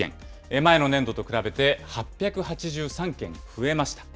前の年度と比べて８８３件増えました。